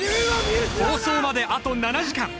放送まであと７時間！